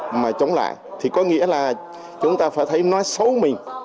chúng ta có thể sống lại thì có nghĩa là chúng ta phải thấy nói xấu mình